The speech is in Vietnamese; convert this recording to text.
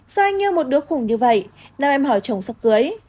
sao anh như một đứa khùng như vậy nam em hỏi chồng sắp cưới